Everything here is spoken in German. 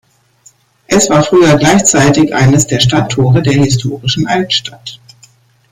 Er war früher gleichzeitig eines der Stadttore der historischen Altstadt.